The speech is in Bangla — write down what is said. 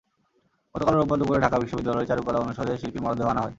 গতকাল রোববার দুপুরে ঢাকা বিশ্ববিদ্যালয়ের চারুকলা অনুষদে শিল্পীর মরদেহ আনা হয়।